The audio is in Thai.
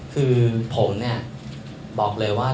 คือผมเนี่ยบอกเลยว่า